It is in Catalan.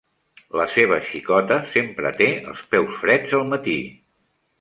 La seva xicota sempre té els peus freds al matí.